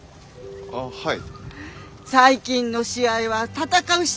ああはい。